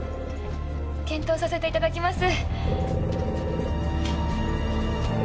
検討させていただきます。